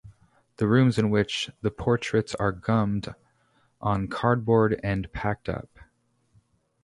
The rooms in which the portraits are gummed on cardboard and packed up.